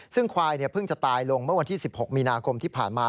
ซึ่งควายเพิ่งจะตายลงเมื่อวันที่๑๖มีนาคมที่ผ่านมา